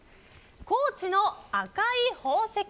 高知の赤い宝石。